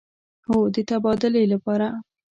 هو، د تبادلې لپاره